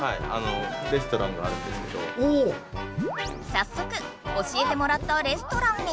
さっそく教えてもらったレストランへ！